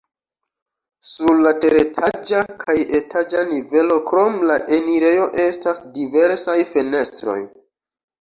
Sur la teretaĝa kaj etaĝa nivelo krom la enirejo estas diversaj fenestroj.